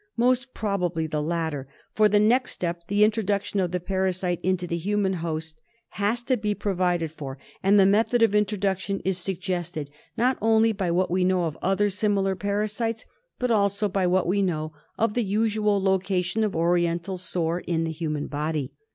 Most probably the latter; for the next step, the introduction of the parasite into the human host, has to be provided K 146 KALA AZAR. for, and the method of introduction is suggested not only by what we know of other similar parasites, but also by what we know of the usual location of Orien tal Sore in the human body.